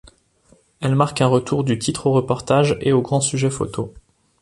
Elle marque un retour du titre aux reportages et aux grands sujets photos.